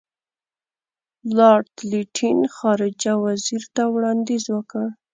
لارډ لیټن خارجه وزیر ته وړاندیز وکړ.